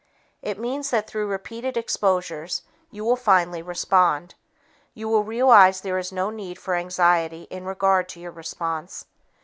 It means that through repeated exposures, you will finally respond. You will realize there is no need for anxiety in regard to your response.